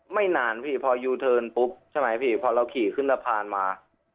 ไม่นานพี่พอยูเทิร์นปุ๊บใช่ไหมพี่พอเราขี่ขึ้นสะพานมา